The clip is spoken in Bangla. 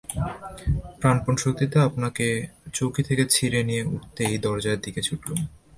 প্রাণপণ শক্তিতে আপনাকে চৌকি থেকে ছিঁড়ে নিয়ে উঠেই দরজার দিকে ছুটলুম।